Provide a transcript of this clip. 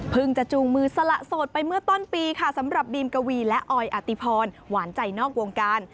จะจูงมือสละโสดไปเมื่อต้นปีค่ะสำหรับบีมกวีและออยอติพรหวานใจนอกวงการ